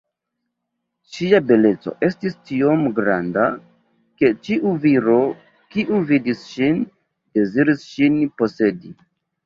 Ŝia beleco estis tiom granda, ke ĉiu viro, kiu vidis ŝin, deziris ŝin posedi.